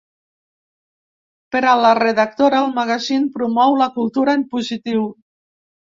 Per a la redactora, el magazín promou “la cultura en positiu”.